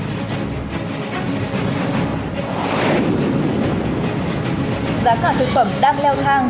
giá cả thực phẩm đang leo thang